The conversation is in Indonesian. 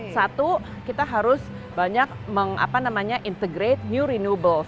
satu kita harus banyak mengintegrate new renewables